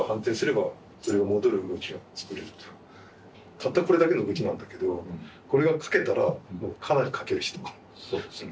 たったこれだけの動きなんだけどこれが描けたらもうかなり描ける人。